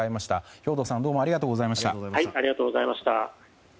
兵頭さんどうもありがとうございました。